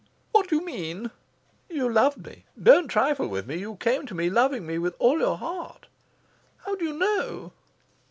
"What do you mean?" "You loved me. Don't trifle with me. You came to me loving me with all your heart." "How do you know?"